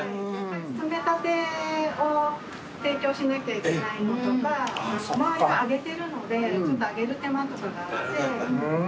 詰めたてを提供しなきゃいけないのとか周りが揚げてるのでちょっと揚げる手間とかがあって。